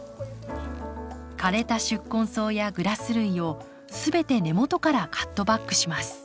枯れた宿根草やグラス類を全て根元からカットバックします。